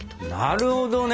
なるほどね！